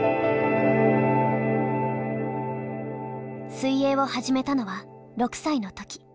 水泳を始めたのは６歳の時。